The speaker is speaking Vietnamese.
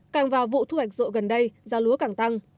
càng vào vụ thu hoạch rộ gần đây giá lúa càng tăng